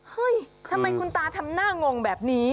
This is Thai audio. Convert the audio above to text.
เฮ้ยทำไมคุณตาทำหน้างงแบบนี้